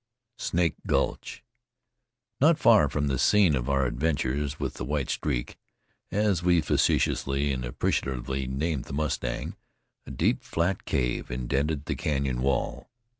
SNAKE GULCH Not far from the scene of our adventure with the White Streak as we facetious and appreciatively named the mustang, deep, flat cave indented the canyon wall.